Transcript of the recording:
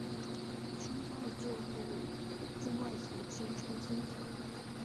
徽章的最外层是一圈金色。